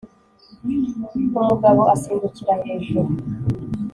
umugabo asimbukira hejuru,